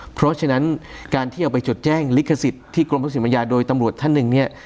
เพราะฉะนั้นการที่เอาไปจดแจ้งลิขสิทธิ์ที่กรมพระศิมายาโดยตำรวจท่านหนึ่งเนี่ย